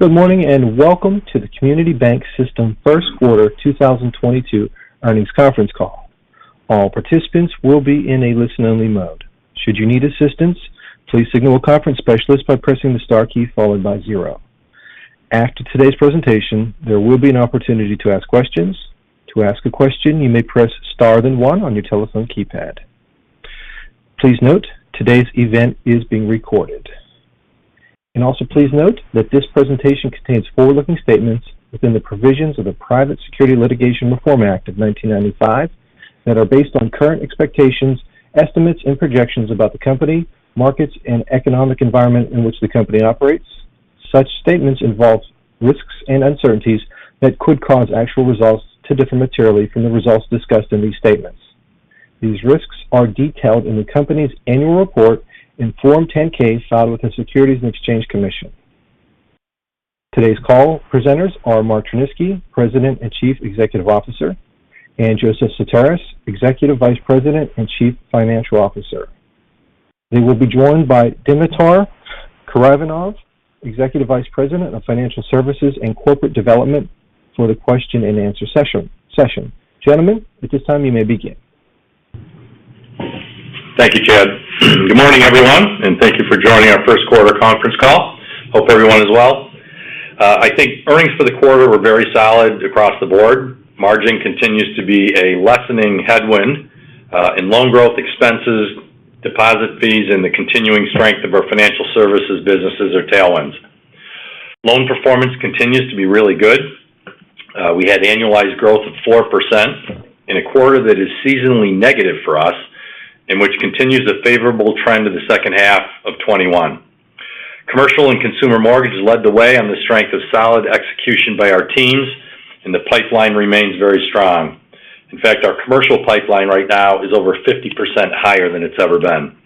Good morning, and welcome to the Community Bank System first quarter 2022 earnings conference call. All participants will be in a listen-only mode. Should you need assistance, please signal a conference specialist by pressing the star key followed by zero. After today's presentation, there will be an opportunity to ask questions. To ask a question, you may press star, then one on your telephone keypad. Please note, today's event is being recorded. Also please note that this presentation contains forward-looking statements within the provisions of the Private Securities Litigation Reform Act of 1995 that are based on current expectations, estimates, and projections about the company, markets, and economic environment in which the company operates. Such statements involve risks and uncertainties that could cause actual results to differ materially from the results discussed in these statements. These risks are detailed in the company's annual report in Form 10-K filed with the Securities and Exchange Commission. Today's call presenters are Mark Tryniski, President and Chief Executive Officer, and Joseph Sutaris, Executive Vice President and Chief Financial Officer. They will be joined by Dimitar Karaivanov, Executive Vice President of Financial Services and Corporate Development, for the question-and-answer session. Gentlemen, at this time you may begin. Thank you, Chad. Good morning, everyone, and thank you for joining our first quarter conference call. Hope everyone is well. I think earnings for the quarter were very solid across the board. Margin continues to be a lessening headwind, and loan growth expenses, deposit fees, and the continuing strength of our financial services businesses are tailwinds. Loan performance continues to be really good. We had annualized growth of 4% in a quarter that is seasonally negative for us, and which continues a favorable trend in the second half of 2021. Commercial and consumer mortgage led the way on the strength of solid execution by our teams, and the pipeline remains very strong. In fact, our commercial pipeline right now is over 50% higher than it's ever been.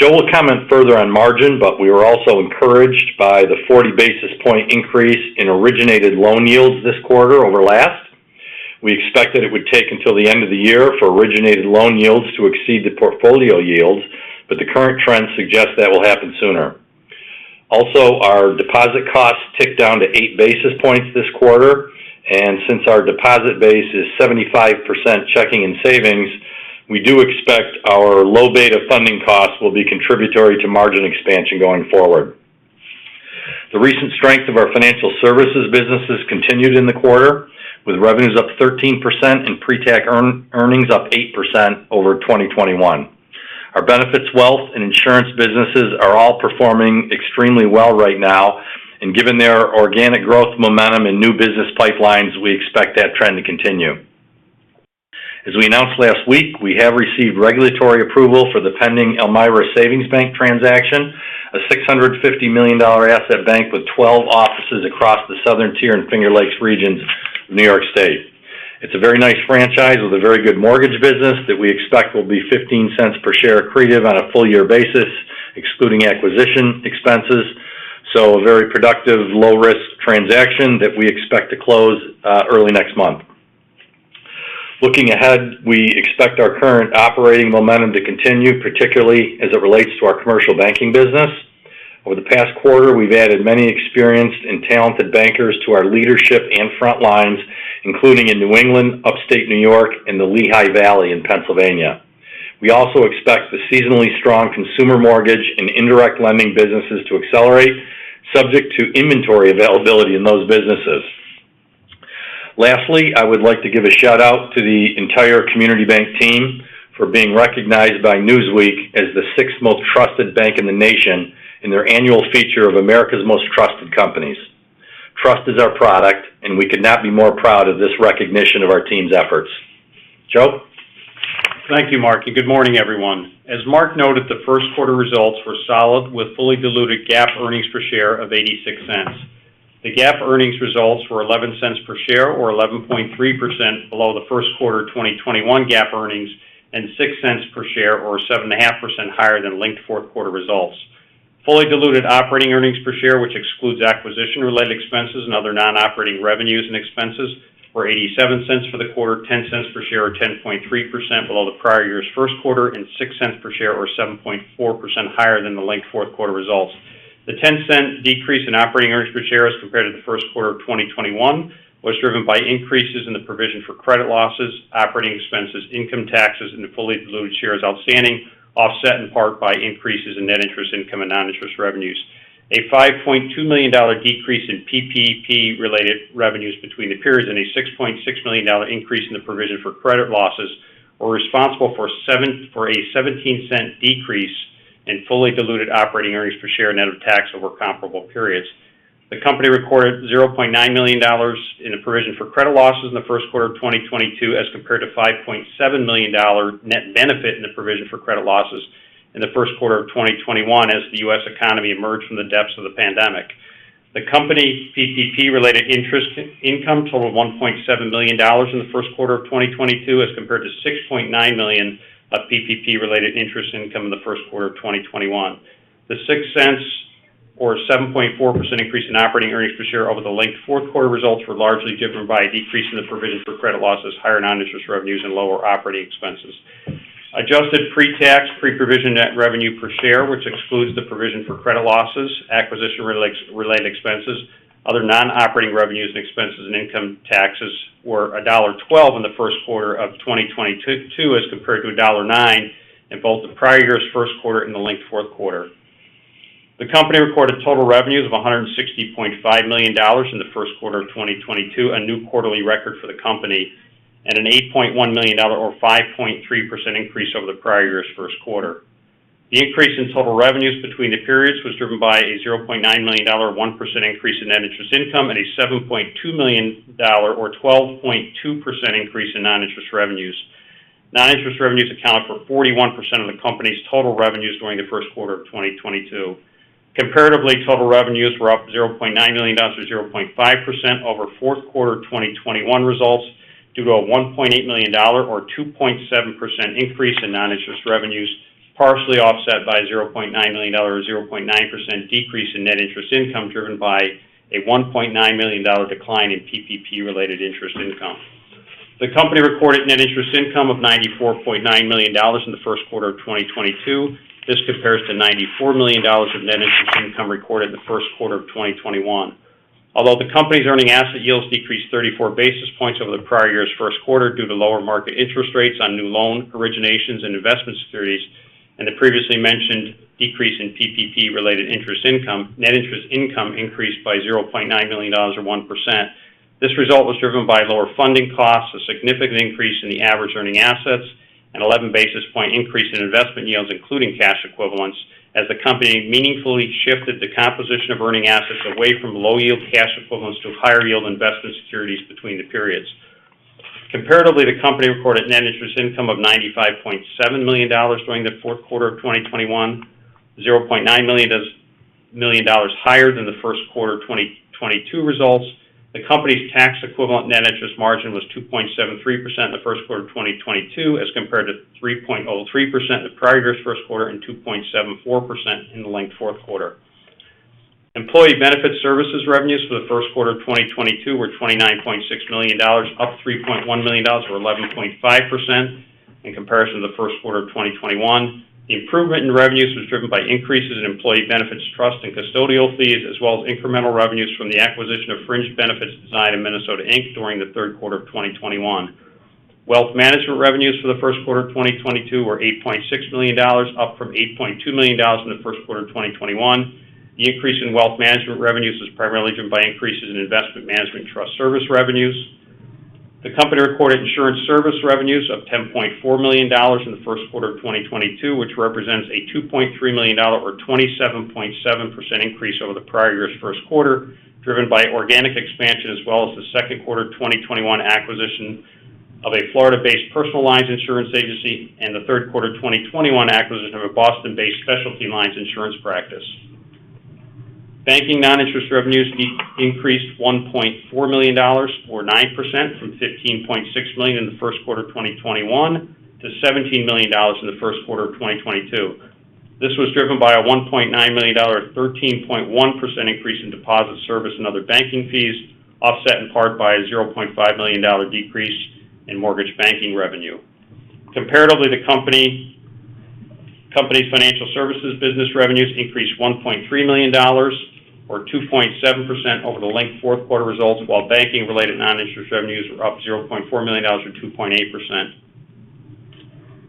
Joe will comment further on margin, but we were also encouraged by the 40 basis point increase in originated loan yields this quarter over last. We expected it would take until the end of the year for originated loan yields to exceed the portfolio yields, but the current trend suggests that will happen sooner. Also, our deposit costs ticked down to 8 basis points this quarter, and since our deposit base is 75% checking and savings, we do expect our low beta funding costs will be contributory to margin expansion going forward. The recent strength of our financial services businesses continued in the quarter, with revenues up 13% and pre-tax earnings up 8% over 2021. Our benefits, wealth, and insurance businesses are all performing extremely well right now, and given their organic growth momentum and new business pipelines, we expect that trend to continue. As we announced last week, we have received regulatory approval for the pending Elmira Savings Bank transaction, a $650 million asset bank with 12 offices across the Southern Tier and Finger Lakes regions of New York State. It's a very nice franchise with a very good mortgage business that we expect will be $0.15 per share accretive on a full year basis, excluding acquisition expenses. A very productive low risk transaction that we expect to close early next month. Looking ahead, we expect our current operating momentum to continue, particularly as it relates to our commercial banking business. Over the past quarter, we've added many experienced and talented bankers to our leadership and front lines, including in New England, Upstate New York, and the Lehigh Valley in Pennsylvania. We also expect the seasonally strong consumer mortgage and indirect lending businesses to accelerate, subject to inventory availability in those businesses. Lastly, I would like to give a shout out to the entire Community Bank team for being recognized by Newsweek as the sixth most trusted bank in the nation in their annual feature of America's Most Trusted Companies. Trust is our product, and we could not be more proud of this recognition of our team's efforts. Joe. Thank you, Mark, and good morning, everyone. As Mark noted, the first quarter results were solid with fully diluted GAAP earnings per share of $0.86. The GAAP earnings results were $0.11 per share or 11.3% below the first quarter of 2021 GAAP earnings and $0.06 per share or 7.5% higher than linked fourth quarter results. Fully diluted operating earnings per share, which excludes acquisition-related expenses and other non-operating revenues and expenses, were $0.87 for the quarter, $0.10 per share or 10.3% below the prior year's first quarter, and $0.06 per share or 7.4% higher than the linked fourth quarter results. The $0.10 decrease in operating earnings per share as compared to the first quarter of 2021 was driven by increases in the provision for credit losses, operating expenses, income taxes, and the fully diluted shares outstanding, offset in part by increases in net interest income and non-interest revenues. A $5.2 million decrease in PPP-related revenues between the periods and a $6.6 million increase in the provision for credit losses were responsible for a $0.17 decrease in fully diluted operating earnings per share net of tax over comparable periods. The company recorded $0.9 million in the provision for credit losses in the first quarter of 2022, as compared to $5.7 million net benefit in the provision for credit losses in the first quarter of 2021 as the U.S. economy emerged from the depths of the pandemic. The company PPP-related interest income totaled $1.7 million in the first quarter of 2022, as compared to $6.9 million of PPP-related interest income in the first quarter of 2021. The $0.06 or 7.4% increase in operating earnings per share over the linked fourth quarter results were largely driven by a decrease in the provision for credit losses, higher non-interest revenues, and lower operating expenses. Adjusted pre-tax, pre-provision net revenue per share, which excludes the provision for credit losses, acquisition-related, related expenses, other non-operating revenues and expenses and income taxes were $1.12 in the first quarter of 2022, as compared to $1.9 in both the prior year's first quarter and the linked fourth quarter. The company reported total revenues of $160.5 million in the first quarter of 2022, a new quarterly record for the company, and an $8.1 million or 5.3% increase over the prior year's first quarter. The increase in total revenues between the periods was driven by a $0.9 million, 1% increase in net interest income and a $7.2 million or 12.2% increase in non-interest revenues. Non-interest revenues account for 41% of the company's total revenues during the first quarter of 2022. Comparatively, total revenues were up $0.9 million or 0.5% over fourth quarter 2021 results, due to a $1.8 million or 2.7% increase in non-interest revenues, partially offset by $0.9 million or 0.9% decrease in net interest income, driven by a $1.9 million decline in PPP-related interest income. The company recorded net interest income of $94.9 million in the first quarter of 2022. This compares to $94 million of net interest income recorded in the first quarter of 2021. Although the company's earning asset yields decreased 34 basis points over the prior year's first quarter due to lower market interest rates on new loan originations and investment securities and the previously mentioned decrease in PPP-related interest income, net interest income increased by $0.9 million or 1%. This result was driven by lower funding costs, a significant increase in the average earning assets, an 11 basis point increase in investment yields, including cash equivalents, as the company meaningfully shifted the composition of earning assets away from low-yield cash equivalents to higher-yield investment securities between the periods. Comparatively, the company reported net interest income of $95.7 million during the fourth quarter of 2021, $0.9 million higher than the first quarter of 2022 results. The company's tax-equivalent net interest margin was 2.73% in the first quarter of 2022 as compared to 3.03% in the prior year's first quarter and 2.74% in the linked fourth quarter. Employee Benefit Services revenues for the first quarter of 2022 were $29.6 million, up $3.1 million or 11.5% in comparison to the first quarter of 2021. The improvement in revenues was driven by increases in employee benefits trust and custodial fees as well as incremental revenues from the acquisition of Fringe Benefits Design of Minnesota, Inc. during the third quarter of 2021. Wealth Management revenues for the first quarter of 2022 were $8.6 million, up from $8.2 million in the first quarter of 2021. The increase in Wealth Management revenues was primarily driven by increases in investment management trust service revenues. The company recorded Insurance Services revenues of $10.4 million in the first quarter of 2022, which represents a $2.3 million or 27.7% increase over the prior year's first quarter, driven by organic expansion, as well as the second quarter of 2021 acquisition of a Florida-based personal lines insurance agency and the third quarter 2021 acquisition of a Boston-based specialty lines insurance practice. Banking non-interest revenues increased $1.4 million or 9% from $15.6 million in the first quarter of 2021 to $17 million in the first quarter of 2022. This was driven by a $1.9 million, 13.1% increase in deposit service and other banking fees, offset in part by a $0.5 million decrease in mortgage banking revenue. Comparatively, the company's financial services business revenues increased $1.3 million or 2.7% over the linked fourth quarter results, while banking-related non-interest revenues were up $0.4 million or 2.8%.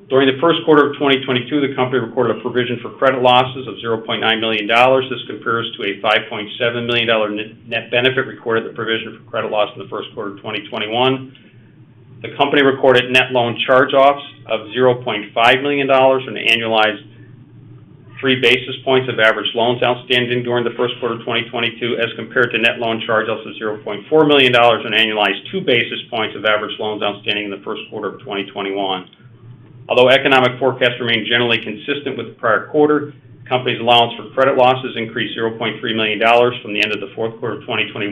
During the first quarter of 2022, the company recorded a provision for credit losses of $0.9 million. This compares to a $5.7 million net benefit recorded in the provision for credit losses in the first quarter of 2021. The company recorded net loan charge-offs of $0.5 million on an annualized 3 basis points of average loans outstanding during the first quarter of 2022 as compared to net loan charge-offs of $0.4 million on an annualized 2 basis points of average loans outstanding in the first quarter of 2021. Although economic forecasts remain generally consistent with the prior quarter, the company's allowance for credit losses increased $0.3 million from the end of the fourth quarter of 2021,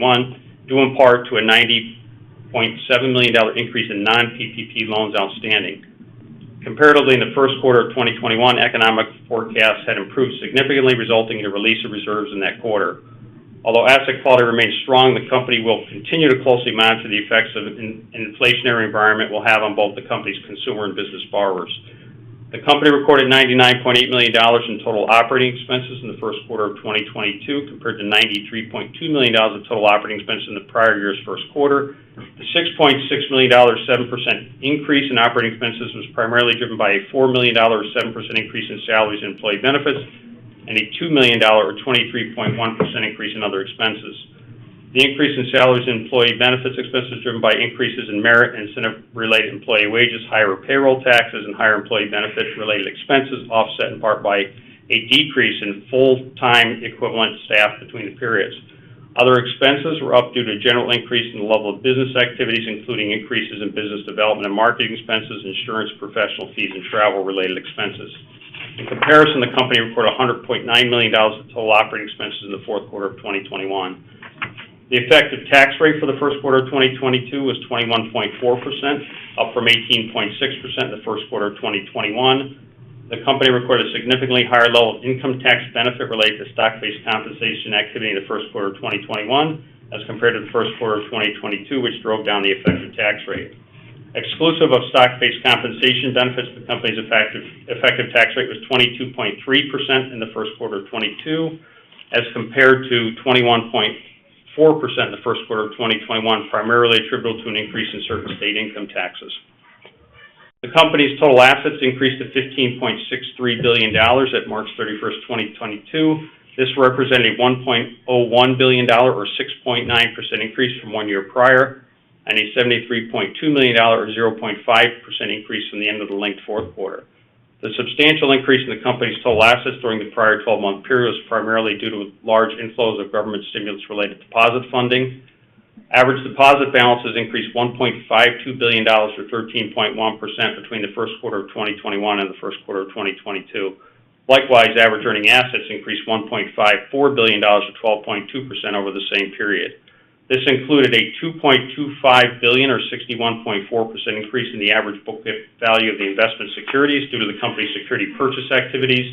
due in part to a $90.7 million increase in non-PPP loans outstanding. Comparatively, in the first quarter of 2021, economic forecasts had improved significantly, resulting in a release of reserves in that quarter. Although asset quality remains strong, the company will continue to closely monitor the effects of an inflationary environment will have on both the company's consumer and business borrowers. The company recorded $99.8 million in total operating expenses in the first quarter of 2022, compared to $93.2 million in total operating expenses in the prior year's first quarter. The $6.6 million, 7% increase in operating expenses was primarily driven by a $4 million, 7% increase in salaries and employee benefits and a $2 million or 23.1% increase in other expenses. The increase in salaries and employee benefits expenses driven by increases in merit and incentive-related employee wages, higher payroll taxes and higher employee benefits-related expenses, offset in part by a decrease in full-time equivalent staff between the periods. Other expenses were up due to a general increase in the level of business activities, including increases in business development and marketing expenses, insurance, professional fees and travel-related expenses. In comparison, the company reported $100.9 million in total operating expenses in the fourth quarter of 2021. The effective tax rate for the first quarter of 2022 was 21.4%, up from 18.6% in the first quarter of 2021. The company recorded a significantly higher level of income tax benefit related to stock-based compensation activity in the first quarter of 2021 as compared to the first quarter of 2022, which drove down the effective tax rate. Exclusive of stock-based compensation benefits, the company's effective tax rate was 22.3% in the first quarter of 2022, as compared to 21.4% in the first quarter of 2021, primarily attributable to an increase in certain state income taxes. The company's total assets increased to $15.63 billion at March 31, 2022. This represented $1.01 billion or 6.9% increase from one year prior, and a $73.2 million or 0.5% increase from the end of the linked fourth quarter. The substantial increase in the company's total assets during the prior twelve-month period was primarily due to large inflows of government stimulus-related deposit funding. Average deposit balances increased $1.52 billion or 13.1% between the first quarter of 2021 and the first quarter of 2022. Likewise, average earning assets increased $1.54 billion or 12.2% over the same period. This included a $2.25 billion or 61.4% increase in the average book value of the investment securities due to the company's securities purchase activities,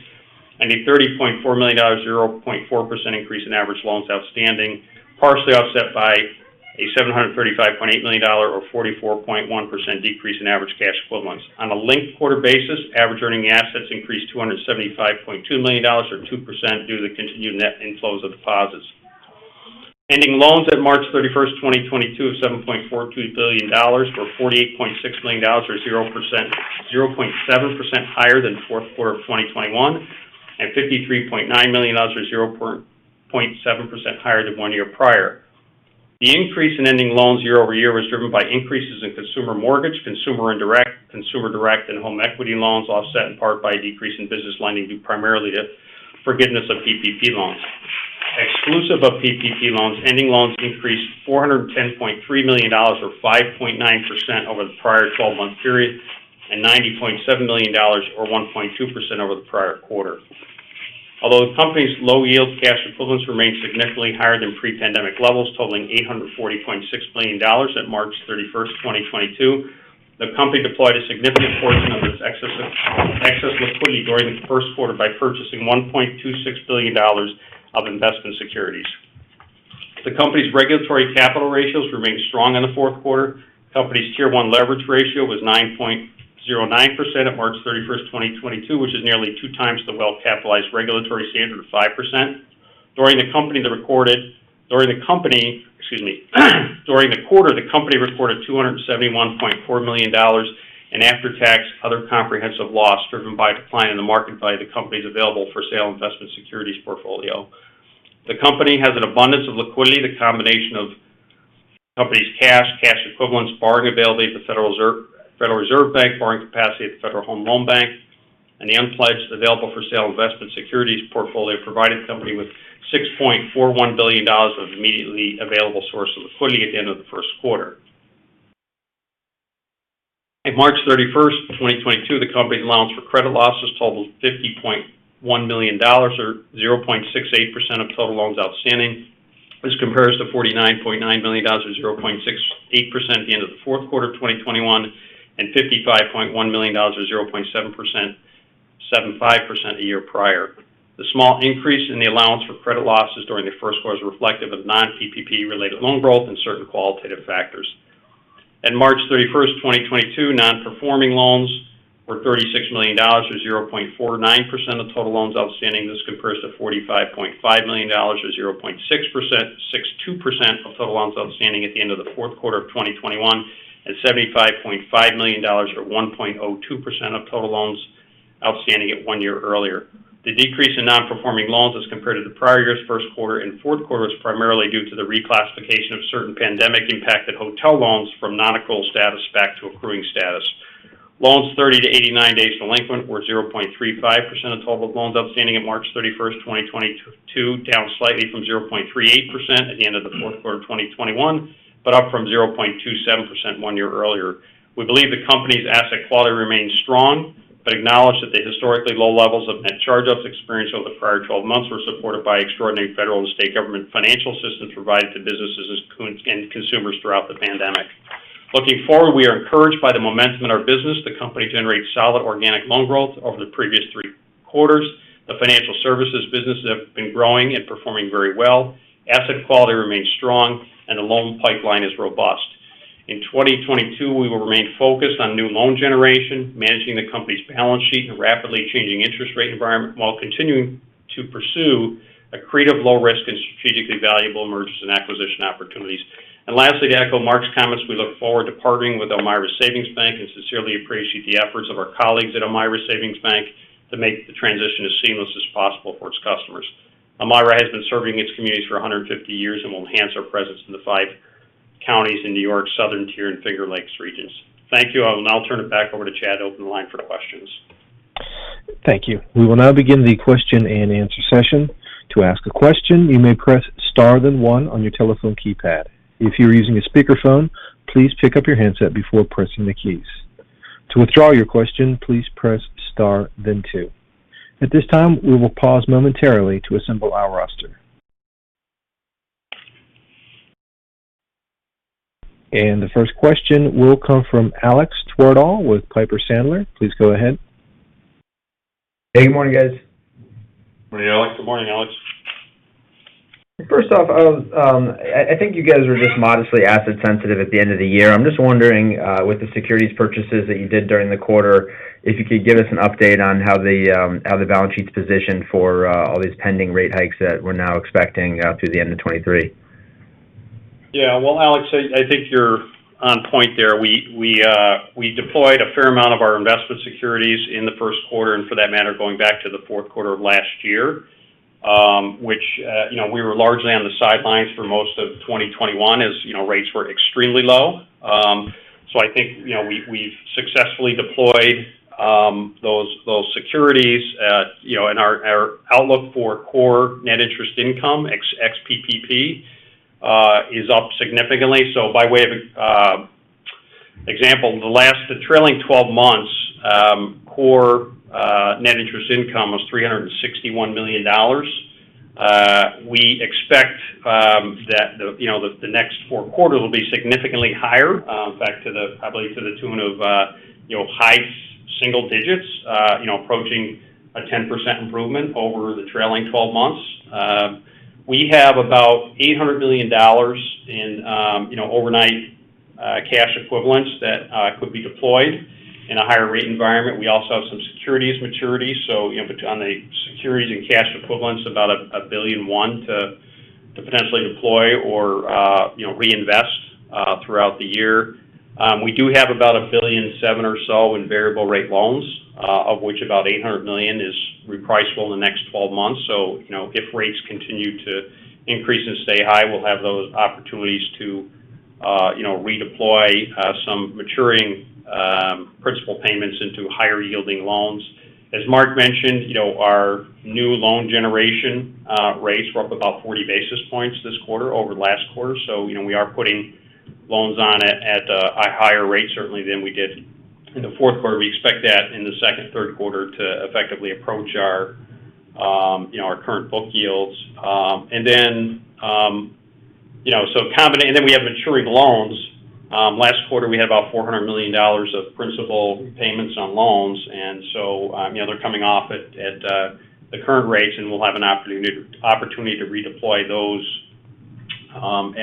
and a $30.4 million or 0.4% increase in average loans outstanding, partially offset by a $735.8 million or 44.1% decrease in average cash equivalents. On a linked quarter basis, average earning assets increased $275.2 million or 2% due to the continued net inflows of deposits. Ending loans at March 31, 2022 of $7.42 billion or $48.6 million or 0.7% higher than fourth quarter of 2021, and $53.9 million or 0.7% higher than one year prior. The increase in ending loans year over year was driven by increases in consumer mortgage, consumer indirect, consumer direct, and home equity loans, offset in part by a decrease in business lending due primarily to forgiveness of PPP loans. Exclusive of PPP loans, ending loans increased $410.3 million or 5.9% over the prior twelve-month period, and $90.7 million or 1.2% over the prior quarter. Although the company's low yield cash equivalents remain significantly higher than pre-pandemic levels, totaling $840.6 billion at March 31, 2022, the company deployed a significant portion of its excess liquidity during the first quarter by purchasing $1.26 billion of investment securities. The company's regulatory capital ratios remained strong in the fourth quarter. The company's Tier 1 leverage ratio was 9.09% at March 31, 2022, which is nearly 2x the well-capitalized regulatory standard of 5%. Excuse me. During the quarter, the company reported $271.4 million in after-tax other comprehensive loss driven by a decline in the market value of the company's available-for-sale investment securities portfolio. The company has an abundance of liquidity. The combination of the company's cash equivalents, borrowing availability at the Federal Reserve Bank, borrowing capacity at the Federal Home Loan Bank, and the unpledged available-for-sale investment securities portfolio provided the company with $6.41 billion of immediately available source of liquidity at the end of the first quarter. At March 31, 2022, the company's allowance for credit losses totaled $50.1 million or 0.68% of total loans outstanding. This compares to $49.9 million or 0.68% at the end of the fourth quarter of 2021, and $55.1 million or 0.75% a year prior. The small increase in the allowance for credit losses during the first quarter is reflective of non-PPP related loan growth and certain qualitative factors. At March 31, 2022, non-performing loans were $36 million or 0.49% of total loans outstanding. This compares to $45.5 million or 0.62% of total loans outstanding at the end of the fourth quarter of 2021, and $75.5 million or 1.2% of total loans outstanding at one year earlier. The decrease in non-performing loans as compared to the prior year's first quarter and fourth quarter was primarily due to the reclassification of certain pandemic impacted hotel loans from non-accrual status back to accruing status. Loans 30-89 days delinquent were 0.35% of total loans outstanding at March 31, 2022, down slightly from 0.38% at the end of the fourth quarter of 2021, but up from 0.27% one year earlier. We believe the company's asset quality remains strong, but acknowledge that the historically low levels of net charge-offs experienced over the prior 12 months were supported by extraordinary federal and state government financial assistance provided to businesses and consumers throughout the pandemic. Looking forward, we are encouraged by the momentum in our business. The company generated solid organic loan growth over the previous three quarters. The financial services businesses have been growing and performing very well. Asset quality remains strong and the loan pipeline is robust. In 2022, we will remain focused on new loan generation, managing the company's balance sheet in a rapidly changing interest rate environment while continuing to pursue accretive, low-risk and strategically valuable mergers and acquisitions opportunities. Lastly, to echo Mark's comments, we look forward to partnering with Elmira Savings Bank and sincerely appreciate the efforts of our colleagues at Elmira Savings Bank to make the transition as seamless as possible for its customers. Elmira has been serving its communities for 150 years and will enhance our presence in the five counties in New York's Southern Tier and Finger Lakes regions. Thank you. I will now turn it back over to Chad to open the line for questions. Thank you. We will now begin the question and answer session. To ask a question, you may press star then one on your telephone keypad. If you are using a speakerphone, please pick up your handset before pressing the keys. To withdraw your question, please press star then two. At this time, we will pause momentarily to assemble our roster. The first question will come from Alex Twerdahl with Piper Sandler. Please go ahead. Hey, good morning, guys. Good morning, Alex. Good morning, Alex. First off, I think you guys were just modestly asset sensitive at the end of the year. I'm just wondering, with the securities purchases that you did during the quarter, if you could give us an update on how the balance sheet's positioned for all these pending rate hikes that we're now expecting through the end of 2023. Yeah. Well, Alex, I think you're on point there. We deployed a fair amount of our investment securities in the first quarter, and for that matter, going back to the fourth quarter of last year, which you know, we were largely on the sidelines for most of 2021 as you know, rates were extremely low. I think you know, we've successfully deployed those securities. You know, and our outlook for core net interest income ex-PPP is up significantly. By way of example, the last trailing twelve months core net interest income was $361 million. We expect that the next four quarters will be significantly higher, probably to the tune of, you know, high single digits%, you know, approaching 10% improvement over the trailing 12 months. We have about $800 million in, you know, overnight cash equivalents that could be deployed in a higher rate environment. We also have some securities maturities, so, you know, on the securities and cash equivalents, about $1.1 billion to potentially deploy or, you know, reinvest throughout the year. We do have about $1.7 billion or so in variable rate loans, of which about $800 million is repriceable in the next 12 months. You know, if rates continue to increase and stay high, we'll have those opportunities to you know, redeploy some maturing principal payments into higher yielding loans. As Mark mentioned, you know, our new loan generation rates were up about 40 basis points this quarter over last quarter. You know, we are putting loans on at a higher rate certainly than we did in the fourth quarter. We expect that in the second, third quarter to effectively approach our you know, our current book yields. Then we have maturing loans. Last quarter, we had about $400 million of principal payments on loans. You know, they're coming off at the current rates, and we'll have an opportunity to redeploy those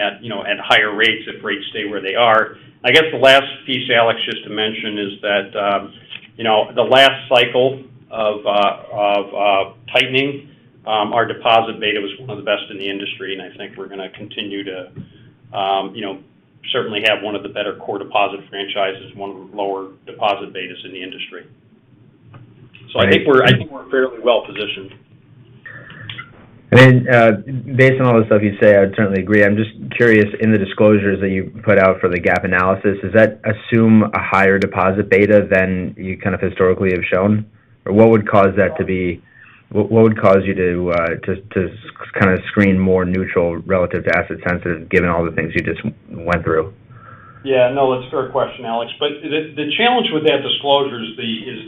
at higher rates if rates stay where they are. I guess the last piece, Alex, just to mention is that you know, the last cycle of tightening our deposit beta was one of the best in the industry, and I think we're going to continue to you know, certainly have one of the better core deposit franchises, one of the lower deposit betas in the industry. I think we're fairly well-positioned. Based on all the stuff you say, I certainly agree. I'm just curious, in the disclosures that you put out for the gap analysis, does that assume a higher deposit beta than you kind of historically have shown? Or what would cause you to kinda screen more neutral relative to asset sensitive given all the things you just went through? Yeah. No, that's a fair question, Alex. The challenge with that disclosure is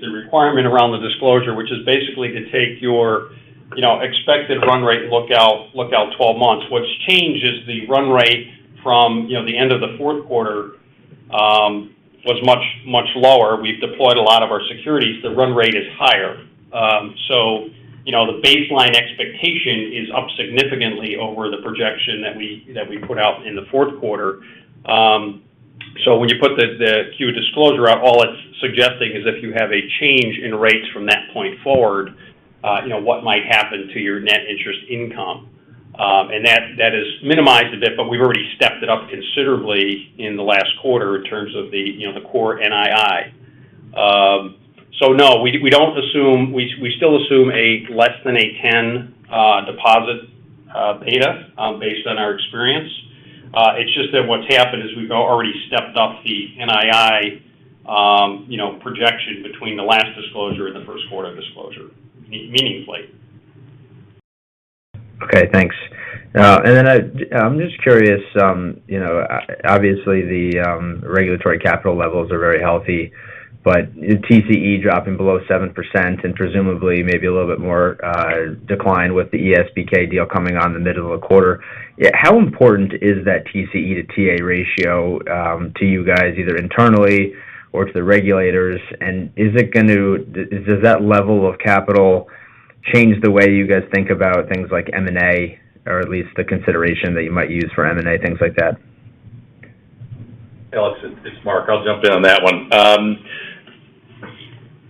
the requirement around the disclosure, which is basically to take your, you know, expected run rate outlook 12 months. What's changed is the run rate from, you know, the end of the fourth quarter was much lower. We've deployed a lot of our securities. The run rate is higher. You know, the baseline expectation is up significantly over the projection that we put out in the fourth quarter. When you put the 10-Q disclosure out, all it's suggesting is if you have a change in rates from that point forward, you know, what might happen to your net interest income. That is minimized a bit, but we've already stepped it up considerably in the last quarter in terms of, you know, the core NII. No, we still assume less than a 10 deposit beta based on our experience. It's just that what's happened is we've already stepped up the NII, you know, projection between the last disclosure and the first quarter disclosure meaningfully. Okay. Thanks. I'm just curious, you know, obviously the regulatory capital levels are very healthy, but TCE dropping below 7% and presumably maybe a little bit more decline with the ESBK deal coming on in the middle of the quarter. How important is that TCE to TA ratio to you guys, either internally or to the regulators? Does that level of capital change the way you guys think about things like M&A or at least the consideration that you might use for M&A, things like that? Alex, it's Mark. I'll jump in on that one.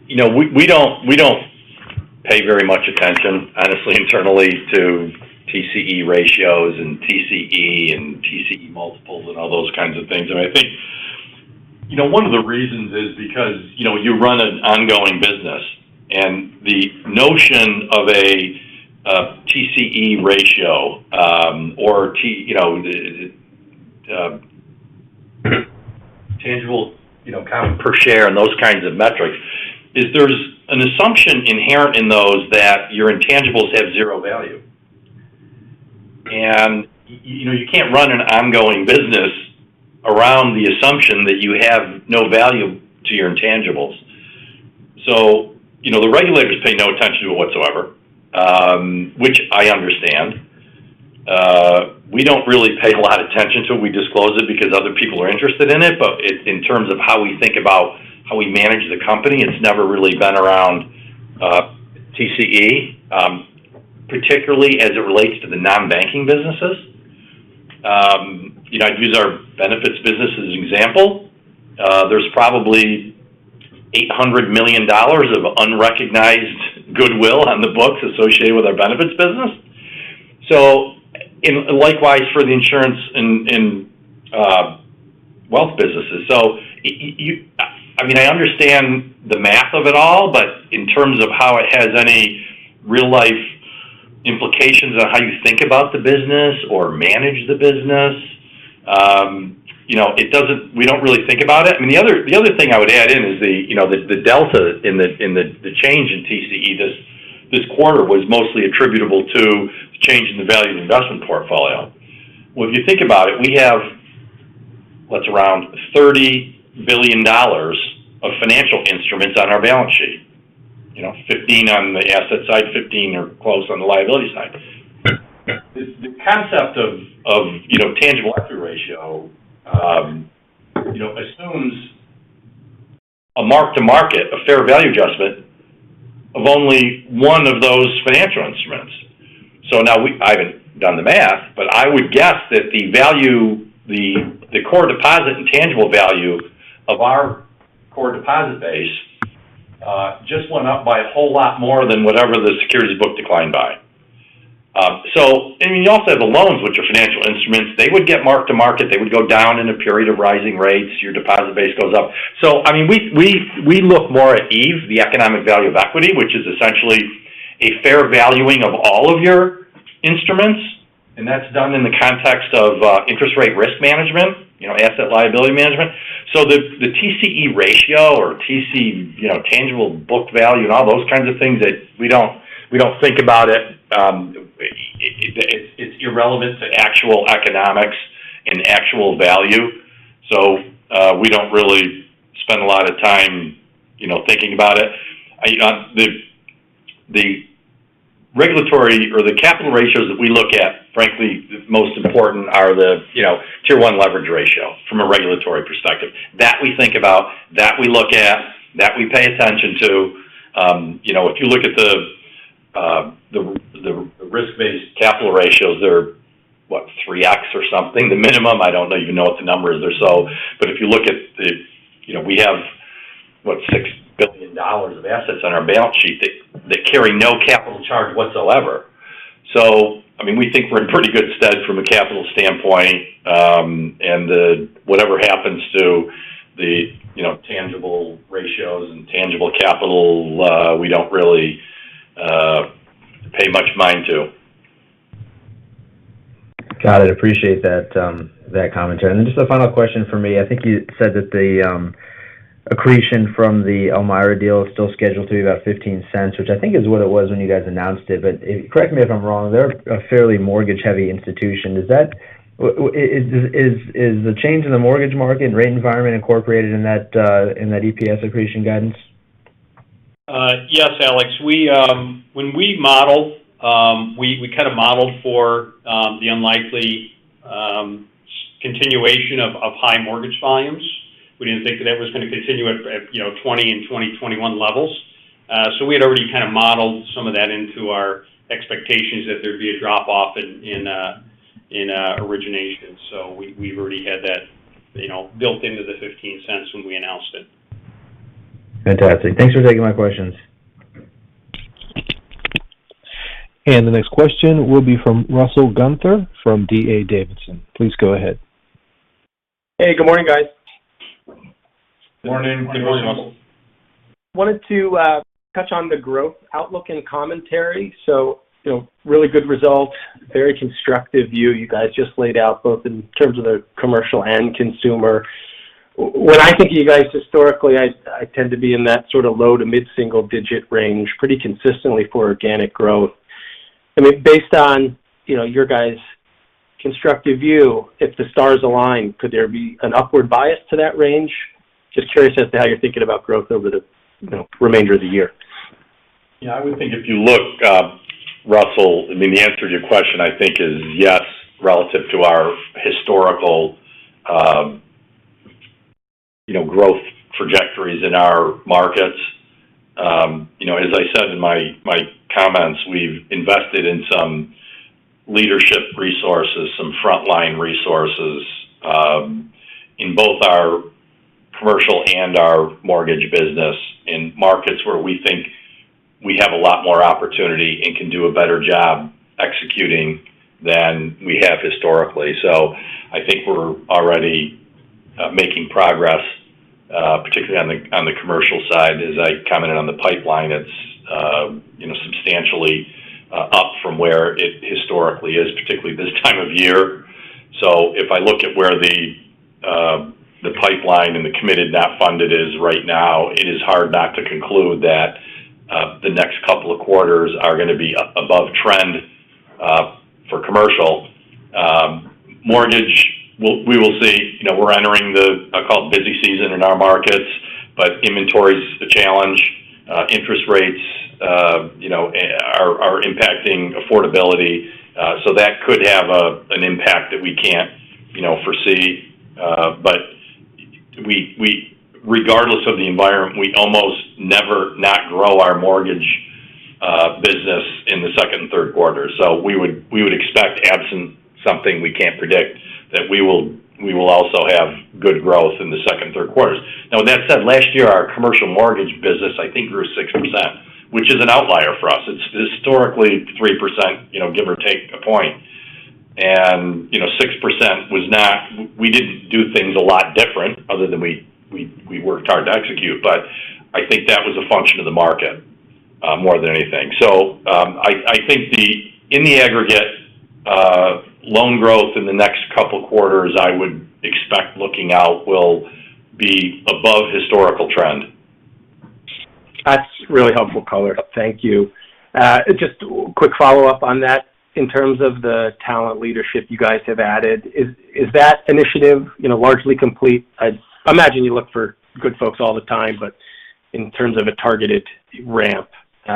You know, we don't pay very much attention, honestly, internally to TCE ratios and TCE multiples and all those kinds of things. I think, you know, one of the reasons is because, you know, you run an ongoing business and the notion of a TCE ratio or the tangible common per share and those kinds of metrics is there's an assumption inherent in those that your intangibles have zero value. You know, you can't run an ongoing business around the assumption that you have no value to your intangibles. You know, the regulators pay no attention to it whatsoever, which I understand. We don't really pay a lot of attention to it. We disclose it because other people are interested in it. In terms of how we think about how we manage the company, it's never really been around TCE, particularly as it relates to the non-banking businesses. You know, I'd use our benefits business as an example. There's probably $800 million of unrecognized goodwill on the books associated with our benefits business. Likewise for the insurance and wealth businesses. I mean, I understand the math of it all, but in terms of how it has any real-life implications on how you think about the business or manage the business, you know, it doesn't. We don't really think about it. I mean, the other thing I would add in is the delta in the change in TCE this quarter was mostly attributable to the change in the value of investment portfolio. Well, if you think about it, we have what's around $30 billion of financial instruments on our balance sheet. You know, 15 on the asset side, 15 or close on the liability side. The concept of tangible equity ratio assumes a mark to market, a fair value adjustment of only one of those financial instruments. So now, I haven't done the math, but I would guess that the value, the core deposit and tangible value of our core deposit base just went up by a whole lot more than whatever the securities book declined by. I mean, you also have the loans, which are financial instruments. They would get mark to market. They would go down in a period of rising rates. Your deposit base goes up. I mean, we look more at EVE, the economic value of equity, which is essentially a fair valuing of all of your instruments, and that's done in the context of interest rate risk management, you know, asset liability management. The TCE ratio or TC, you know, tangible book value and all those kinds of things that we don't think about it. It's irrelevant to actual economics and actual value. We don't really spend a lot of time, you know, thinking about it. You know, the regulatory or the capital ratios that we look at, frankly, the most important are the, you know, Tier 1 leverage ratio from a regulatory perspective. That we think about, that we look at, that we pay attention to. You know, if you look at the risk-based capital ratios, they're what? 3x or something. The minimum, I don't even know what the number is or so. If you look at the, you know, we have, what? $6 billion of assets on our balance sheet that carry no capital charge whatsoever. So I mean, we think we're in pretty good stead from a capital standpoint. Whatever happens to the, you know, tangible ratios and tangible capital, we don't really pay much mind to. Got it. Appreciate that commentary. Just a final question for me. I think you said that the accretion from the Elmira deal is still scheduled to be about $0.15, which I think is what it was when you guys announced it. Correct me if I'm wrong, they're a fairly mortgage-heavy institution. Is the change in the mortgage market and rate environment incorporated in that EPS accretion guidance? Yes, Alex. When we model, we kind of modeled for the unlikely continuation of high mortgage volumes. We didn't think that was going to continue at, you know, 2020 and 2021 levels. We had already kind of modeled some of that into our expectations that there'd be a drop off in origination. We've already had that, you know, built into the $0.15 when we announced it. Fantastic. Thanks for taking my questions. The next question will be from Russell Gunther from D.A. Davidson. Please go ahead. Hey, good morning, guys. Morning. Good morning, Russell. wanted to touch on the growth outlook and commentary. You know, really good results. Very constructive view you guys just laid out, both in terms of the commercial and consumer. When I think of you guys historically, I tend to be in that sort of low- to mid-single-digit range pretty consistently for organic growth. I mean, based on, you know, your guys' constructive view, if the stars align, could there be an upward bias to that range? Just curious as to how you're thinking about growth over the, you know, remainder of the year. Yeah. I would think if you look, Russell, I mean, the answer to your question, I think is yes, relative to our historical, you know, growth trajectories in our markets. You know, as I said in my comments, we've invested in some leadership resources, some frontline resources, in both our commercial and our mortgage business in markets where we think we have a lot more opportunity and can do a better job executing than we have historically. I think we're already making progress, particularly on the commercial side. As I commented on the pipeline, it's you know substantially up from where it historically is, particularly this time of year. If I look at where the pipeline and the committed not funded is right now, it is hard not to conclude that the next couple of quarters are going to be above trend for commercial mortgage. We'll see. You know, we're entering the, I call it busy season in our markets, but inventory is a challenge. Interest rates, you know, are impacting affordability. That could have an impact that we can't foresee. But regardless of the environment, we almost never not grow our mortgage business in the second and third quarter. We would expect, absent something we can't predict, that we will also have good growth in the second and third quarters. Now, with that said, last year, our commercial mortgage business, I think, grew 6%, which is an outlier for us. It's historically 3%, you know, give or take a point. You know, 6% was not, we didn't do things a lot different other than we worked hard to execute, but I think that was a function of the market more than anything. I think in the aggregate, loan growth in the next couple quarters, I would expect looking out will be above historical trend. That's really helpful color. Thank you. Just quick follow-up on that. In terms of the talent leadership you guys have added, is that initiative, you know, largely complete? I imagine you look for good folks all the time, but in terms of a targeted ramp,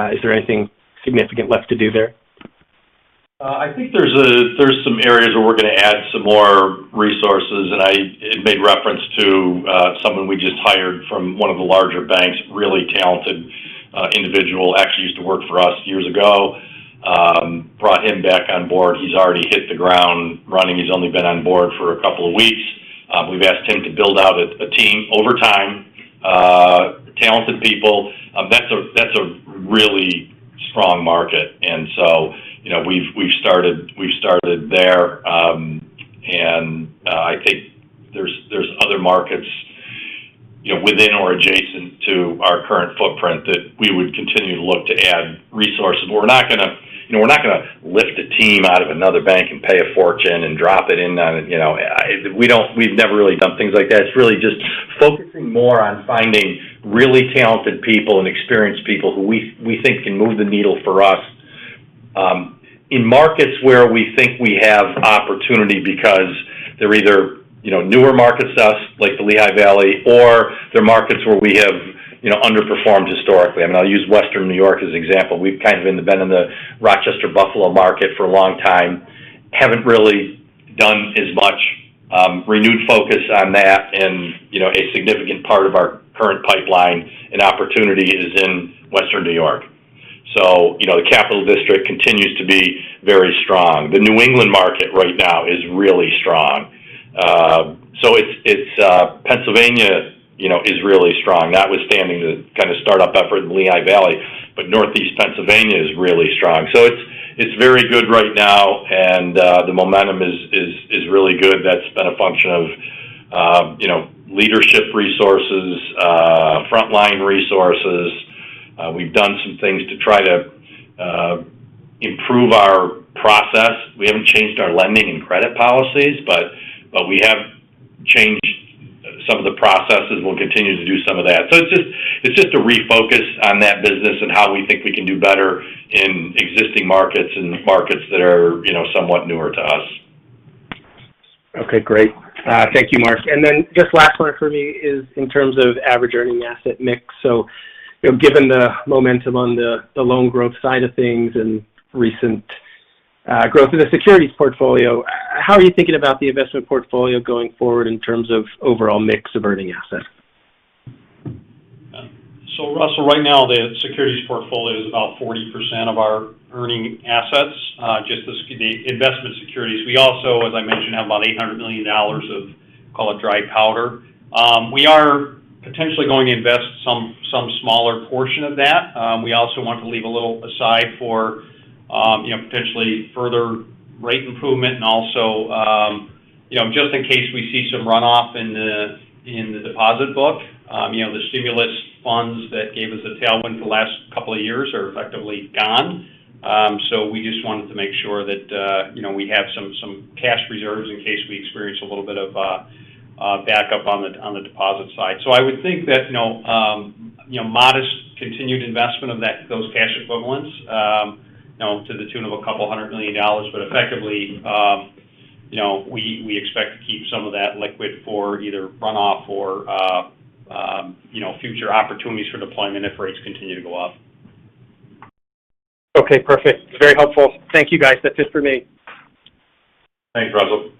is there anything significant left to do there? I think there's some areas where we're going to add some more resources, and I made reference to someone we just hired from one of the larger banks, really talented individual, actually used to work for us years ago. Brought him back on board. He's already hit the ground running. He's only been on board for a couple of weeks. We've asked him to build out a team over time. Talented people. That's a really strong market. You know, we've started there. I think there's other markets, you know, within or adjacent to our current footprint that we would continue to look to add resources. We're not going to lift a team out of another bank and pay a fortune and drop it in on it. You know, we don't. We've never really done things like that. It's really just focusing more on finding really talented people and experienced people who we think can move the needle for us in markets where we think we have opportunity because they're either, you know, newer markets to us, like the Lehigh Valley, or they're markets where we have, you know, underperformed historically. I mean, I'll use Western New York as an example. We've kind of been in the Rochester Buffalo market for a long time. Haven't really done as much. Renewed focus on that. You know, a significant part of our current pipeline and opportunity is in Western New York. You know, the Capital District continues to be very strong. The New England market right now is really strong. Pennsylvania, you know, is really strong, notwithstanding the kind of start-up effort in Lehigh Valley. Northeast Pennsylvania is really strong. It's very good right now, and the momentum is really good. That's been a function of, you know, leadership resources, frontline resources. We've done some things to try to improve our process. We haven't changed our lending and credit policies, but we have changed some of the processes. We'll continue to do some of that. It's just a refocus on that business and how we think we can do better in existing markets and markets that are, you know, somewhat newer to us. Okay, great. Thank you, Mark. Just last one for me is in terms of average earning asset mix. You know, given the momentum on the loan growth side of things and recent growth in the securities portfolio, how are you thinking about the investment portfolio going forward in terms of overall mix of earning assets? Russell, right now, the securities portfolio is about 40% of our earning assets, just the investment securities. We also, as I mentioned, have about $800 million of, call it, dry powder. We are potentially going to invest some smaller portion of that. We also want to leave a little aside for, you know, potentially further rate improvement and also, you know, just in case we see some runoff in the deposit book. You know, the stimulus funds that gave us a tailwind for the last couple of years are effectively gone. We just wanted to make sure that, you know, we have some cash reserves in case we experience a little bit of backup on the deposit side. I would think that, you know, modest continued investment of those cash equivalents, you know, to the tune of $200 million. Effectively, you know, we expect to keep some of that liquid for either runoff or, you know, future opportunities for deployment if rates continue to go up. Okay, perfect. Very helpful. Thank you, guys. That's it for me. Thanks, Russell.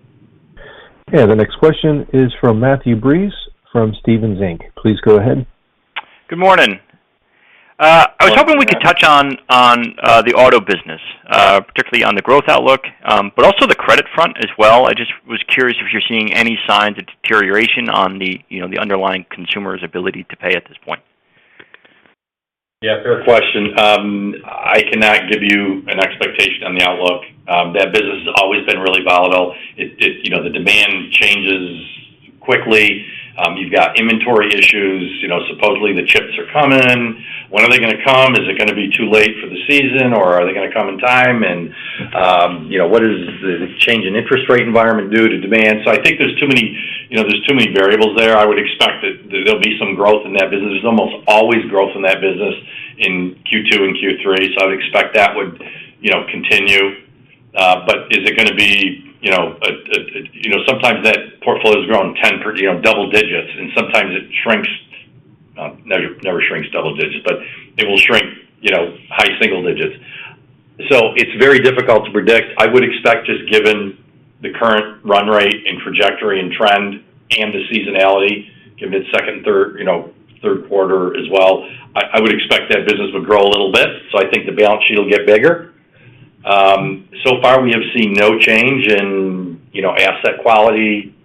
Yeah. The next question is from Matthew Breese from Stephens Inc. Please go ahead. Good morning. I was hoping we could touch on the auto business, particularly on the growth outlook, but also the credit front as well. I just was curious if you're seeing any signs of deterioration on the, you know, the underlying consumer's ability to pay at this point. Yeah, fair question. I cannot give you an expectation on the outlook. That business has always been really volatile. It, you know, the demand changes quickly. You've got inventory issues. You know, supposedly the chips are coming. When are they going to come? Is it going to be too late for the season, or are they going to come in time? You know, what is the change in interest rate environment due to demand? I think, you know, there's too many variables there. I would expect that there'll be some growth in that business. There's almost always growth in that business in Q2 and Q3, so I would expect that would, you know, continue. Is it gonna be, you know, sometimes that portfolio is growing 10%, you know, double digits, and sometimes it shrinks. Never shrinks double digits, but it will shrink, you know, high single digits. It's very difficult to predict. I would expect just given the current run rate and trajectory and trend and the seasonality, given it's second, third, you know, third quarter as well, I would expect that business would grow a little bit. I think the balance sheet will get bigger. So far we have seen no change in, you know, asset quality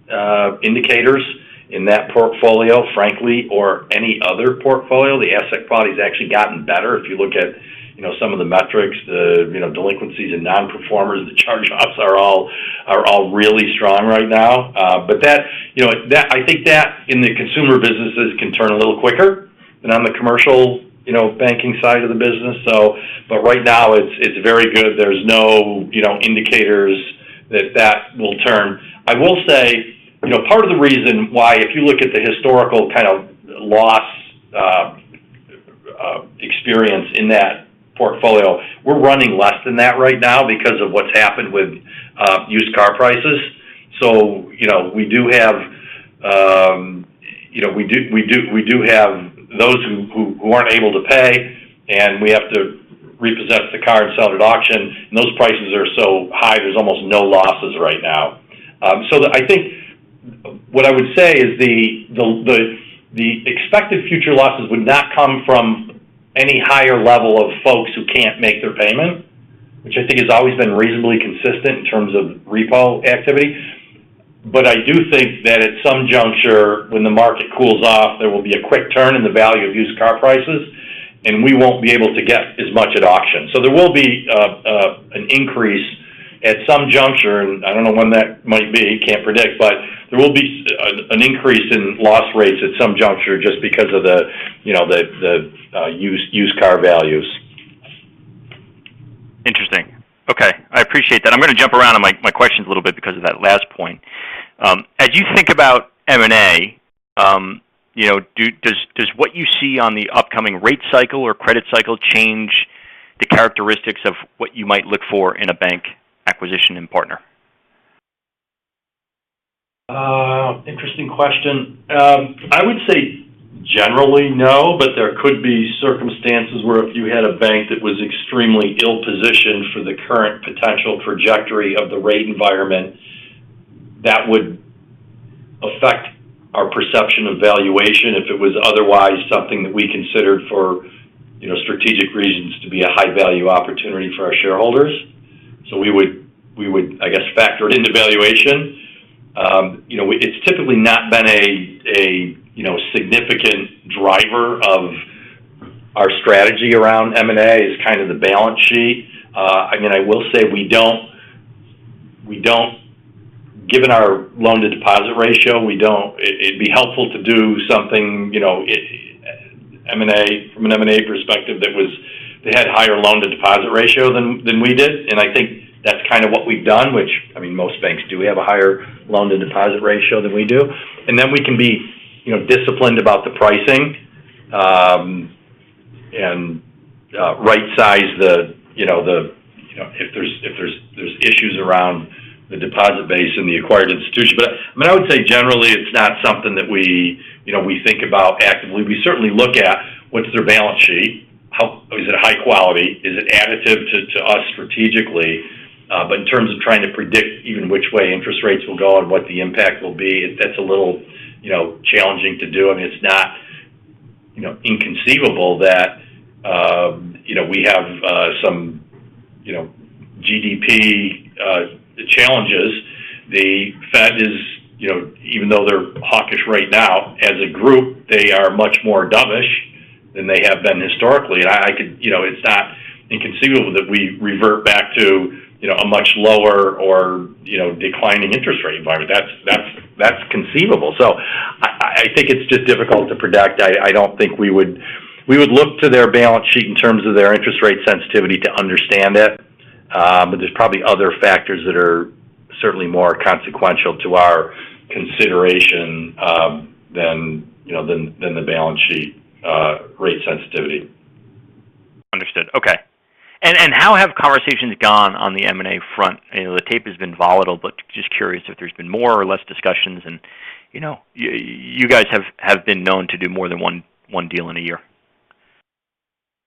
indicators in that portfolio, frankly, or any other portfolio. The asset quality's actually gotten better. If you look at, you know, some of the metrics, the, you know, delinquencies and nonperformers, the charge-offs are all really strong right now. I think that in the consumer businesses can turn a little quicker than on the commercial, you know, banking side of the business. Right now it's very good. There's no, you know, indicators that will turn. I will say, you know, part of the reason why if you look at the historical kind of loss experience in that portfolio, we're running less than that right now because of what's happened with used car prices. You know, we do have those who aren't able to pay, and we have to repossess the car and sell it at auction. Those prices are so high, there's almost no losses right now. I think what I would say is the expected future losses would not come from any higher level of folks who can't make their payment, which I think has always been reasonably consistent in terms of repo activity. I do think that at some juncture, when the market cools off, there will be a quick turn in the value of used car prices, and we won't be able to get as much at auction. There will be an increase at some juncture, and I don't know when that might be, can't predict. There will be an increase in loss rates at some juncture just because of the, you know, the used car values. Interesting. Okay. I appreciate that. I'm gonna jump around on my questions a little bit because of that last point. As you think about M&A, you know, does what you see on the upcoming rate cycle or credit cycle change the characteristics of what you might look for in a bank acquisition and partner? Interesting question. I would say generally, no, but there could be circumstances where if you had a bank that was extremely ill-positioned for the current potential trajectory of the rate environment, that would affect our perception of valuation if it was otherwise something that we considered for, you know, strategic reasons to be a high-value opportunity for our shareholders. So we would, I guess, factor it into valuation. You know, it's typically not been a, you know, significant driver of our strategy around M&A. It's kind of the balance sheet. Again, I will say we don't. Given our loan-to-deposit ratio, we don't. It'd be helpful to do something, you know, M&A from an M&A perspective that had higher loan-to-deposit ratio than we did. I think that's kind of what we've done, which, I mean, most banks do, we have a higher loan-to-deposit ratio than we do. We can be you know disciplined about the pricing and right-size the you know if there's issues around the deposit base in the acquired institution. I mean, I would say generally it's not something that we you know think about actively. We certainly look at what's their balance sheet, is it high quality? Is it additive to us strategically? In terms of trying to predict even which way interest rates will go or what the impact will be, that's a little you know challenging to do. I mean, it's not you know inconceivable that you know we have some you know GDP challenges. The Fed is, you know, even though they're hawkish right now, as a group, they are much more dovish than they have been historically. You know, it's not inconceivable that we revert back to, you know, a much lower or, you know, declining interest rate environment. That's conceivable. I think it's just difficult to predict. I don't think we would look to their balance sheet in terms of their interest rate sensitivity to understand it. There's probably other factors that are certainly more consequential to our consideration than, you know, than the balance sheet rate sensitivity. Understood. Okay. How have conversations gone on the M&A front? You know, the tape has been volatile, but just curious if there's been more or less discussions and, you know, you guys have been known to do more than one deal in a year.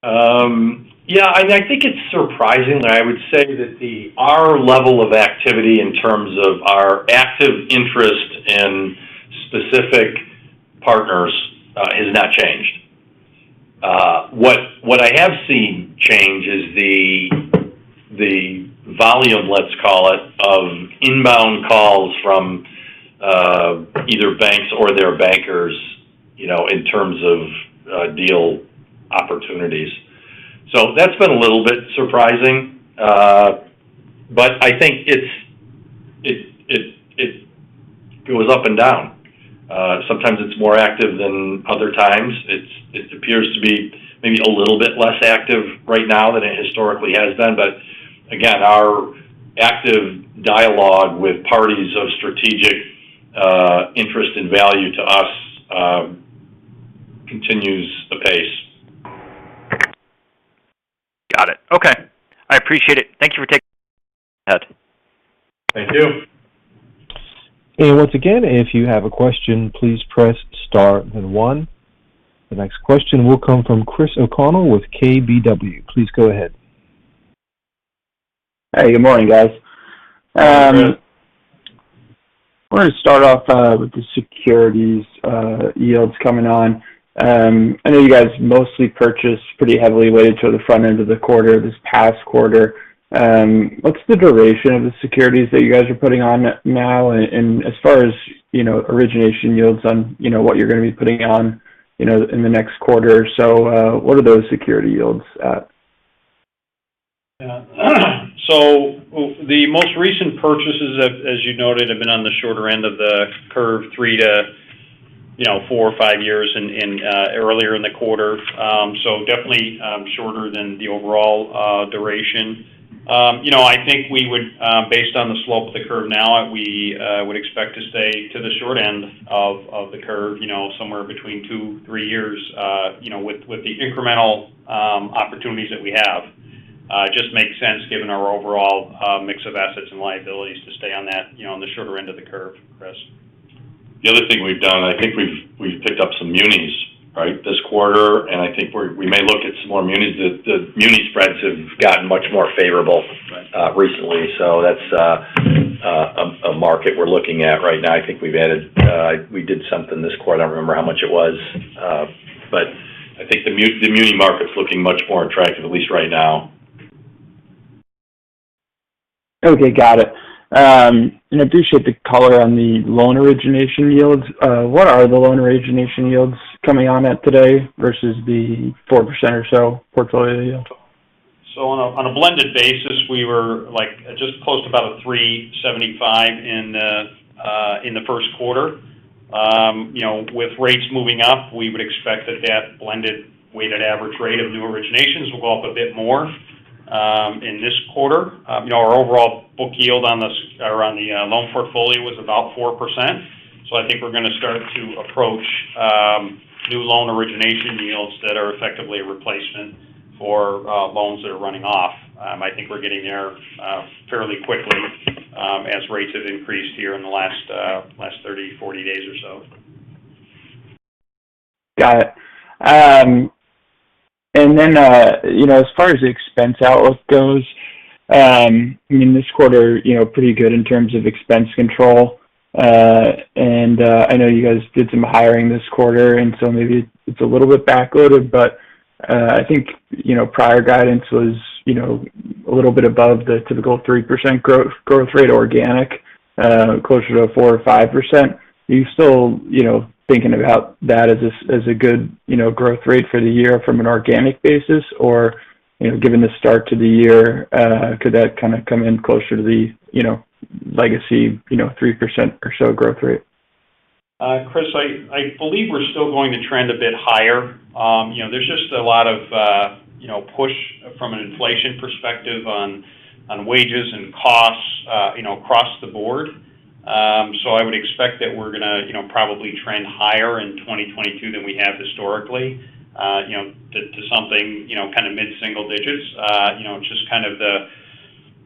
Yeah, I think it's surprising. I would say that our level of activity in terms of our active interest in specific partners has not changed. What I have seen change is the volume, let's call it, of inbound calls from either banks or their bankers, you know, in terms of deal opportunities. That's been a little bit surprising. I think it goes up and down. Sometimes it's more active than other times. It appears to be maybe a little bit less active right now than it historically has been. Again, our active dialogue with parties of strategic interest and value to us continues apace. Got it. Okay. I appreciate it. Thank you for taking. Thank you. Once again, if you have a question, please press star then one. The next question will come from Chris O'Connell with KBW. Please go ahead. Hey, good morning, guys. Good morning. Wanted to start off with the securities yields coming on. I know you guys mostly purchased pretty heavily weighted to the front end of the quarter this past quarter. What's the duration of the securities that you guys are putting on now and as far as, you know, origination yields on, you know, what you're going to be putting on, you know, in the next quarter or so, what are those security yields at? Yeah. The most recent purchases, as you noted, have been on the shorter end of the curve, three to five years in earlier in the quarter. Definitely, shorter than the overall duration. You know, I think we would, based on the slope of the curve now, we would expect to stay to the short end of the curve, you know, somewhere between two to three years, you know, with the incremental opportunities that we have. It just makes sense given our overall mix of assets and liabilities to stay on that, you know, on the shorter end of the curve, Chris. The other thing we've done, I think we've picked up some munis, right? This quarter, and I think we may look at some more munis. The muni spreads have gotten much more favorable recently. That's a market we're looking at right now. I think we've added, we did something this quarter. I don't remember how much it was. I think the muni market's looking much more attractive, at least right now. Okay. Got it. I'd appreciate the color on the loan origination yields. What are the loan origination yields coming on at today versus the 4% or so portfolio yield? On a blended basis, we were like just close to about 3.75 in the first quarter. You know, with rates moving up, we would expect that blended weighted average rate of new originations will go up a bit more in this quarter. You know, our overall book yield on this or on the loan portfolio was about 4%. I think we're going to start to approach new loan origination yields that are effectively a replacement for loans that are running off. I think we're getting there fairly quickly as rates have increased here in the last 30, 40 days or so. Got it. You know, as far as the expense outlook goes, I mean, this quarter, you know, pretty good in terms of expense control. I know you guys did some hiring this quarter, and so maybe it's a little bit backloaded. I think, you know, prior guidance was, you know, a little bit above the typical 3% growth rate organic, closer to 4% or 5%. Are you still, you know, thinking about that as a good, you know, growth rate for the year from an organic basis? Or, you know, given the start to the year, could that kind of come in closer to the, you know, legacy, you know, 3% or so growth rate? Chris, I believe we're still going to trend a bit higher. You know, there's just a lot of you know, push from an inflation perspective on wages and costs, you know, across the board. I would expect that we're going to you know, probably trend higher in 2022 than we have historically you know, to something you know, kind of mid-single digits. You know, just kind of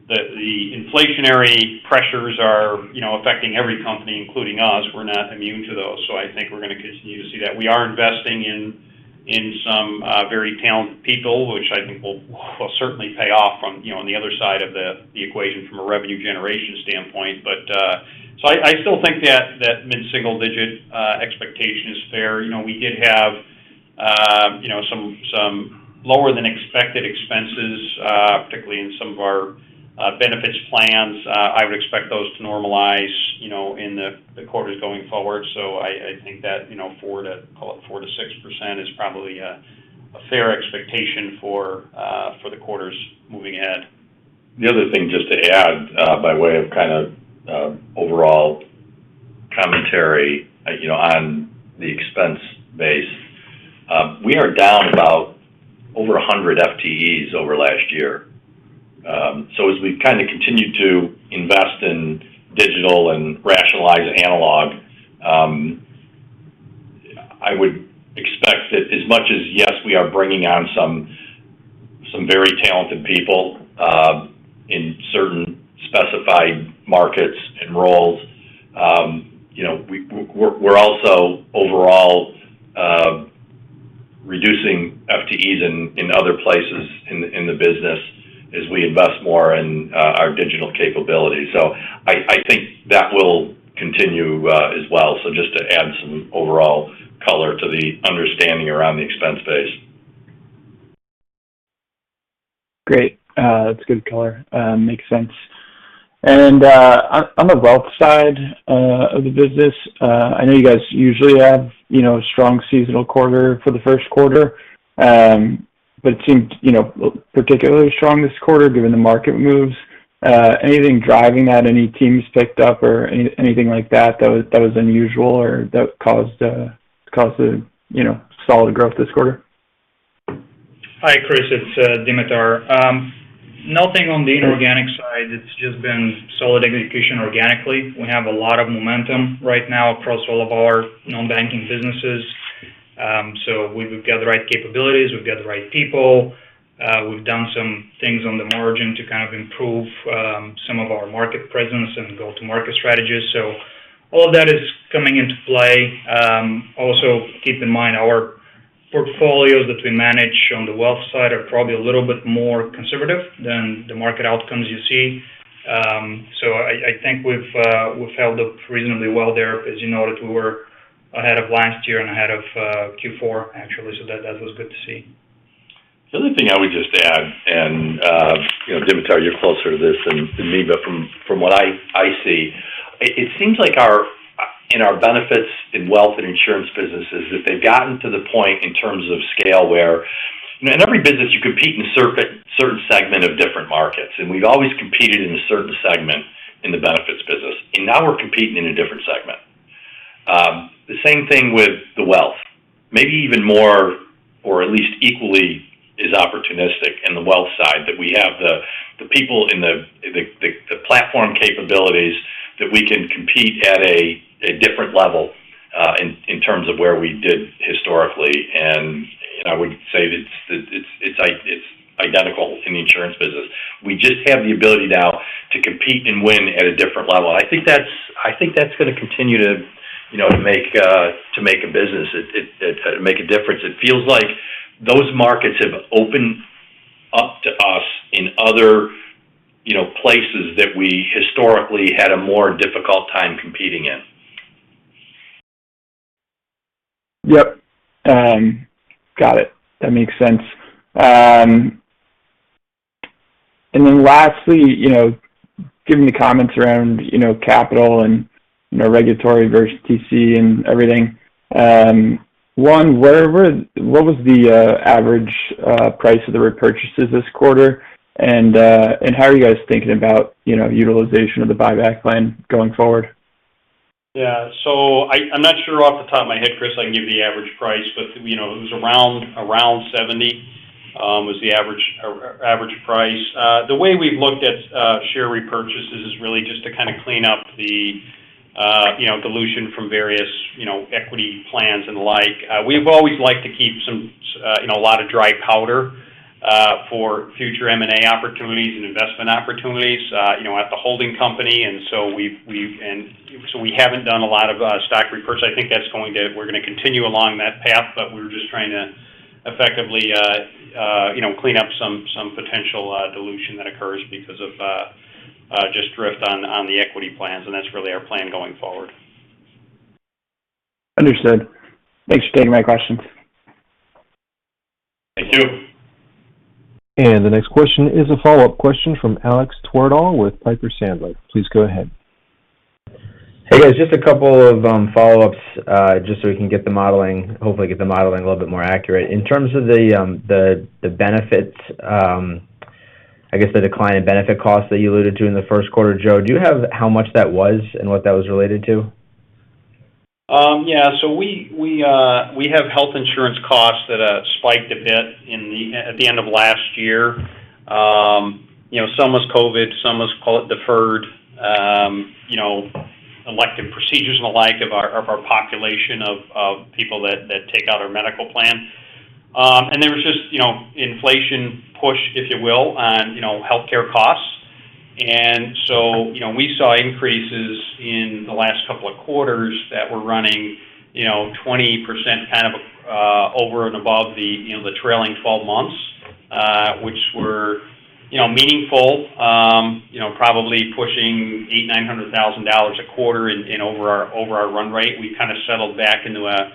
the inflationary pressures are you know, affecting every company, including us. We're not immune to those. I think we're going to continue to see that. We are investing in some very talented people, which I think will certainly pay off from you know, on the other side of the equation from a revenue generation standpoint. I still think that mid-single-digit expectation is fair. You know, we did have, you know, some lower than expected expenses, particularly in some of our benefit plans. I would expect those to normalize, you know, in the quarters going forward. I think that, you know, 4%-6% is probably a fair expectation for the quarters moving ahead. The other thing just to add by way of kind of overall commentary, you know, on the expense base. We are down by over 100 FTEs over last year. As we kind of continue to invest in digital and rationalize analog, I would expect that as much as, yes, we are bringing on some very talented people in certain specified markets and roles, you know, we're also overall reducing FTEs in other places in the business as we invest more in our digital capabilities. I think that will continue as well. Just to add some overall color to the understanding around the expense base. Great. That's a good color. Makes sense. On the wealth side of the business, I know you guys usually have, you know, a strong seasonal quarter for the first quarter. But it seemed, you know, particularly strong this quarter given the market moves. Anything driving that? Any teams picked up or anything like that was unusual or that caused a, you know, solid growth this quarter? Hi, Chris, it's Dimitar. Nothing on the inorganic side. It's just been solid execution organically. We have a lot of momentum right now across all of our non-banking businesses. We've got the right capabilities, we've got the right people. We've done some things on the margin to kind of improve some of our market presence and go-to-market strategies. All of that is coming into play. Also keep in mind our portfolios that we manage on the wealth side are probably a little bit more conservative than the market outcomes you see. I think we've held up reasonably well there as you know that we were ahead of last year and ahead of Q4 actually, so that was good to see. The other thing I would just add, you know, Dimitar, you're closer to this than me, but from what I see, it seems like in our Benefits, Wealth, and Insurance businesses that they've gotten to the point in terms of scale where in every business you compete in certain segment of different markets, and we've always competed in a certain segment in the Benefits business, and now we're competing in a different segment. The same thing with the Wealth. Maybe even more or at least equally is opportunistic in the Wealth side that we have the people and the platform capabilities that we can compete at a different level in terms of where we did historically. You know, I would say that it's identical in the Insurance business. We just have the ability now to compete and win at a different level. I think that's gonna continue to, you know, to make a business. It make a difference. It feels like those markets have opened up to us in other, you know, places that we historically had a more difficult time competing in. Yep. Got it. That makes sense. Lastly, you know, given the comments around, you know, capital and, you know, regulatory versus TCE and everything, one, where what was the average price of the repurchases this quarter? And how are you guys thinking about, you know, utilization of the buyback plan going forward? I'm not sure off the top of my head, Chris, I can give you the average price, but, you know, it was around $70 was the average price. The way we've looked at share repurchases is really just to kind of clean up the, you know, dilution from various, you know, equity plans and the like. We've always liked to keep you know, a lot of dry powder for future M&A opportunities and investment opportunities, you know, at the holding company. We haven't done a lot of stock repurchase. I think that's going to. We're gonna continue along that path, but we're just trying to effectively, you know, clean up some potential dilution that occurs because of just drift on the equity plans, and that's really our plan going forward. Understood. Thanks for taking my questions. Thank you. The next question is a follow-up question from Alex Twerdahl with Piper Sandler. Please go ahead. Hey, guys. Just a couple of follow-ups, just so we can get the modeling, hopefully get the modeling a little bit more accurate. In terms of the benefits, I guess, the decline in benefit costs that you alluded to in the first quarter, Joe, do you have how much that was and what that was related to? Yeah. We have health insurance costs that spiked a bit at the end of last year. You know, some was COVID, some was deferred, you know, elective procedures and the like of our population of people that take out our medical plan. There was just, you know, inflation push, if you will, on, you know, healthcare costs. You know, we saw increases in the last couple of quarters that were running, you know, 20% kind of over and above the, you know, the trailing twelve months, which were, you know, meaningful, you know, probably pushing $800,000-$900,000 a quarter in over our run rate. We've kind of settled back into a,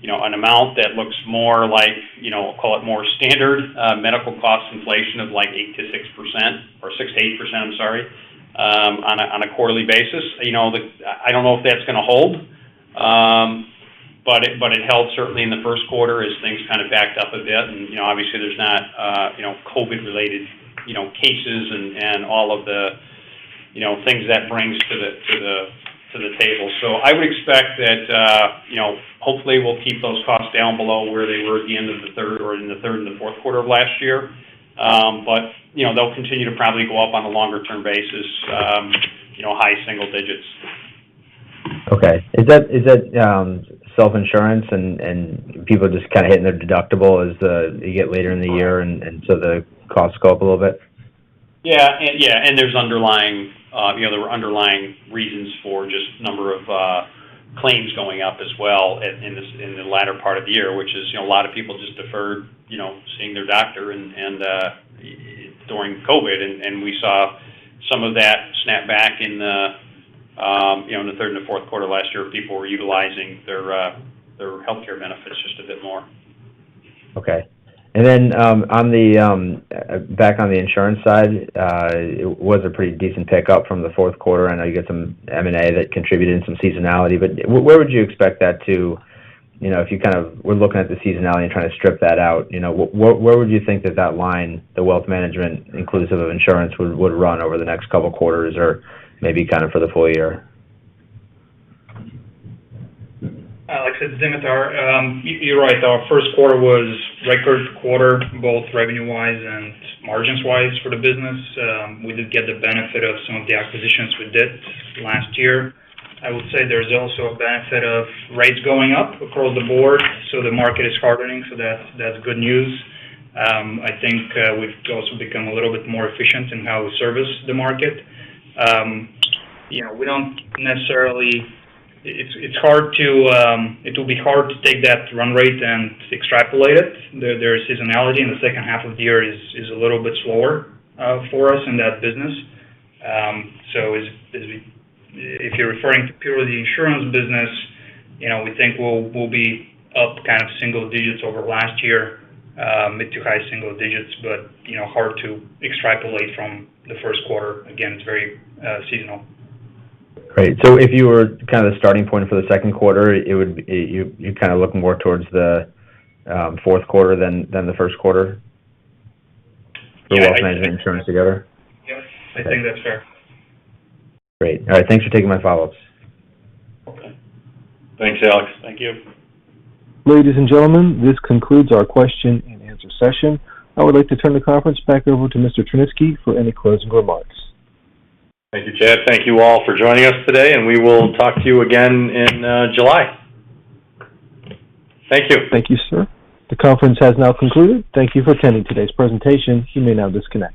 you know, an amount that looks more like, you know, call it more standard medical cost inflation of like 8%-6% or 6%-8%, I'm sorry, on a quarterly basis. You know, I don't know if that's gonna hold. It held certainly in the first quarter as things kind of backed up a bit. You know, obviously there's not, you know, COVID related, you know, cases and all of the, you know, things that brings to the table. I would expect that, you know, hopefully we'll keep those costs down below where they were at the end of the third or in the third and the fourth quarter of last year. You know, they'll continue to probably go up on a longer term basis, you know, high single digits. Okay. Is that self-insurance and people just kind of hitting their deductible as you get later in the year and so the costs go up a little bit? Yeah, there's underlying, you know, there were underlying reasons for the number of claims going up as well in the latter part of the year, which is, you know, a lot of people just deferred, you know, seeing their doctor and during COVID. We saw some of that snap back in the third and the fourth quarter last year. People were utilizing their healthcare benefits just a bit more. Okay. On the insurance side, it was a pretty decent pickup from the fourth quarter. I know you got some M&A that contributed and some seasonality, but where would you expect that to. You know, if we're looking at the seasonality and trying to strip that out, you know, where would you think that line, the Wealth Management inclusive of insurance, would run over the next couple quarters or maybe kind of for the full year? Alex, it's Dimitar. You're right. Our first quarter was record quarter, both revenue-wise and margins-wise for the business. We did get the benefit of some of the acquisitions we did last year. I would say there's also a benefit of rates going up across the board, so the market is hardening, so that's good news. I think we've also become a little bit more efficient in how we service the market. You know, it will be hard to take that run rate and extrapolate it. There is seasonality, and the second half of the year is a little bit slower for us in that business. Is it if you're referring to purely the insurance business? You know, we think we'll be up kind of single digits over last year, mid to high single digits. You know, hard to extrapolate from the first quarter. Again, it's very seasonal. Great. If you were kind of the starting point for the second quarter, you're kinda looking more towards the fourth quarter than the first quarter for Wealth Management and Insurance together? Yes, I think that's fair. Great. All right. Thanks for taking my follow-ups. Okay. Thanks, Alex. Thank you. Ladies and gentlemen, this concludes our question-and-answer session. I would like to turn the conference back over to Mr. Tryniski for any closing remarks. Thank you, Chad. Thank you all for joining us today, and we will talk to you again in July. Thank you. Thank you, sir. The conference has now concluded. Thank you for attending today's presentation. You may now disconnect.